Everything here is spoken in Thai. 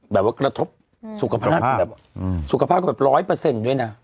แบบว่ากระทบสุขภาพสุขภาพแบบร้อยเปอร์เซ็นต์ด้วยนะ